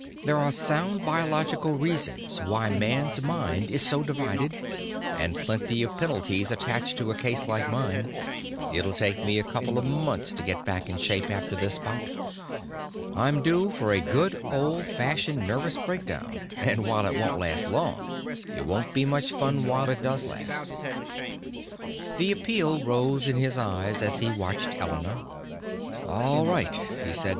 "There are sound biological reasons why man's mind is so divided and plenty of penalties attached to a case like mine. It'll take me a couple of months to get back in shape after this bout. I'm due for a good old fashioned nervous breakdown and while it won't last long it won't be much fun while it does last." The appeal rose in his eyes as he watched Elena. "All right," he said.